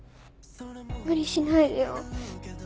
無理しないでよ。